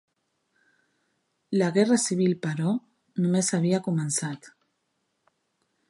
La guerra civil, però, només havia començat.